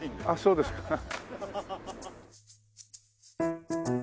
あっそうですか。